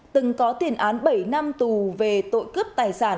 từng có tiền án bảy năm tù về tội cướp tài sản